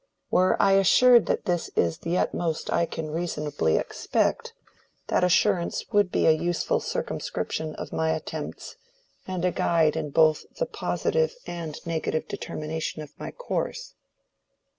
Were I assured that this is the utmost I can reasonably expect, that assurance would be a useful circumscription of my attempts, and a guide in both the positive and negative determination of my course."